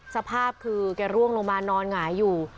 สภาพคือแกร่วงลงมานอนหงายอยู่